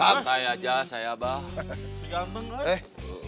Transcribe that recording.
santai aja saya abah